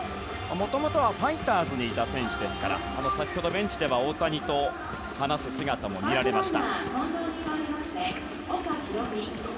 もともとはファイターズにいた選手ですから先ほどベンチでは大谷と話す姿も見られました。